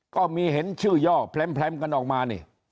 ก็มีเห็นชื่อย่อแพร่มกันออกมานี่